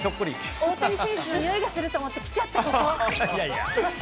大谷選手のにおいがすると思って来ちゃった。